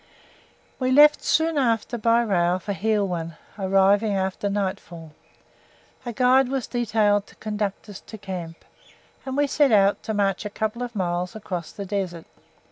We left soon after by rail for Heilwan, arriving after nightfall. A guide was detailed to conduct us to camp, and we set out to march a couple of miles across the desert.